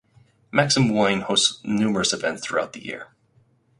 Maxim Wien hosts numerous events throughout the year.